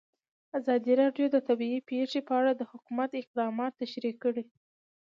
ازادي راډیو د طبیعي پېښې په اړه د حکومت اقدامات تشریح کړي.